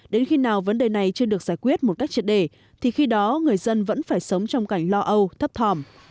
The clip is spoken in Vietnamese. đến khi nào vấn đề này chưa được giải quyết một cách triệt đề thì khi đó người dân vẫn phải sống trong cảnh lo âu thấp thòm